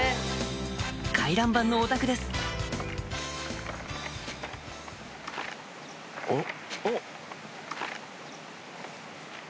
回覧板のお宅ですおっ？